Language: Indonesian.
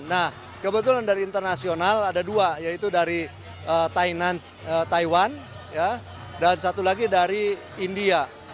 nah kebetulan dari internasional ada dua yaitu dari taiwan dan satu lagi dari india